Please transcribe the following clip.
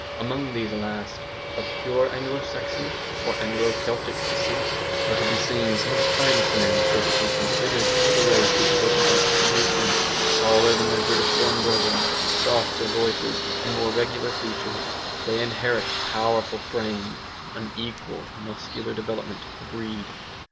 Among these last of pure Anglo Saxon or Anglo Celtic descent are to be seen some of the finest men, physically considered, the race is capable of producing. Taller than their British born brethren, with softer voices and more regular features, they inherit the powerful frames and unequalled muscular development of the breed.